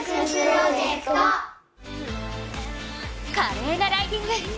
華麗なライディング。